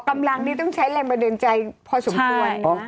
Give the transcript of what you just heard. กำลังนี่ต้องใช้แรงบันดาลใจพอสมควร